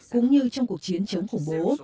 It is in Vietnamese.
cũng như trong cuộc chiến chống khủng bố